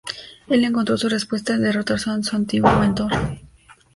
Él encontró su respuesta al derrotar a su antiguo mentor.